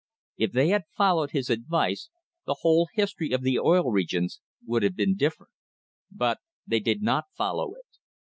If they had followed his advice the whole his tory of the Oil Regions would have been different. But they did not follow it.